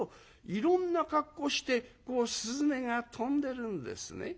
いろんな格好してこう雀が飛んでるんですね」。